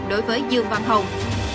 đối với dương văn hồng